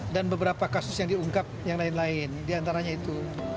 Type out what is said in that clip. dan beberapa kasus yang diungkap yang lain lain diantaranya itu